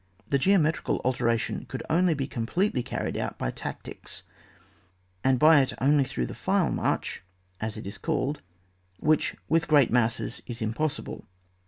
This geometrical alteration could only be completely carried out by tactics, and by it only through the file march as it is called, which, with great masses, is impossible.